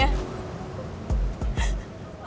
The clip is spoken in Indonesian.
anak anak dipaksa untuk melakukan permintaan orang tuanya